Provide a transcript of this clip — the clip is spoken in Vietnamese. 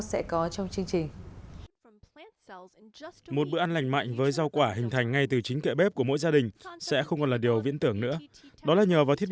sẽ có trong chương trình